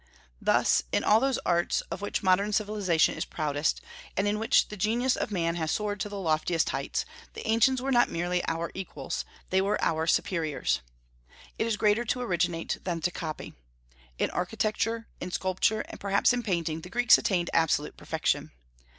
Thus in all those arts of which modern civilization is proudest, and in which the genius of man has soared to the loftiest heights, the ancients were not merely our equals, they were our superiors. It is greater to originate than to copy. In architecture, in sculpture, and perhaps in painting, the Greeks attained absolute perfection.